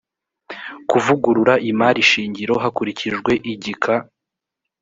kuvugurura imari shingiro hakurikijwe igika